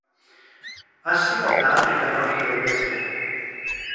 Asia eta Afrikan aurki daitezke.